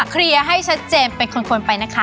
เคลียร์ให้ชัดเจนเป็นคนไปนะคะ